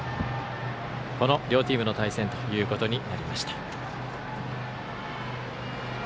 この両チームの対戦ということになりました。